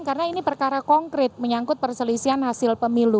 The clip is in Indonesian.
karena ini perkara konkret menyangkut perselisian hasil pemilu